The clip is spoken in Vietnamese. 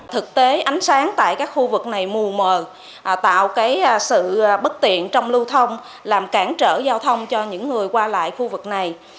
thực tế ánh sáng tại các khu vực này mù mờ tạo sự bất tiện trong lưu thông làm cản trở giao thông cho những người qua lại khu vực này